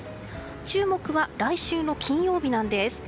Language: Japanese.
注目は来週の金曜日なんです。